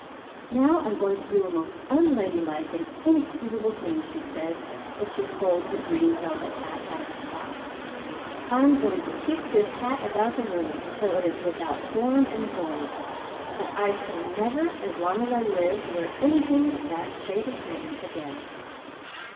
"Now I'm going to do a most unladylike and inexcusable thing," she said, as she pulled her green velvet hat out of its box. "I'm going to kick this hat about the room until it is without form and void; and I shall never as long as I live wear anything of that shade of green again."